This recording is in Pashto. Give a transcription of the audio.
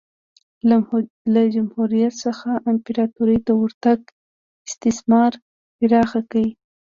له جمهوریت څخه امپراتورۍ ته ورتګ استثمار پراخ کړ